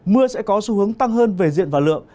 mưa sẽ có xu hướng tăng hơn về diện và lượng